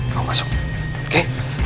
kamu masuk oke